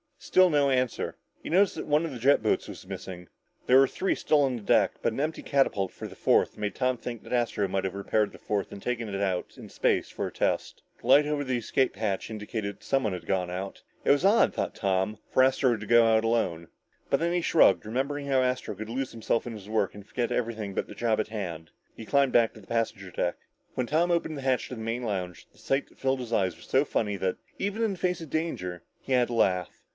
Still no answer. He noticed that one of the jet boats was missing. There were three still on the deck, but an empty catapult for the fourth made Tom think that Astro might have repaired the fourth and taken it out in space for a test. The light over the escape hatch indicated that someone had gone out. It was odd, thought Tom, for Astro to go out alone. But then he shrugged, remembering how Astro could lose himself in his work and forget everything but the job at hand. He climbed back to the passenger deck. When Tom opened the hatch to the main lounge, the sight that filled his eyes was so funny that, even in the face of danger, he had to laugh.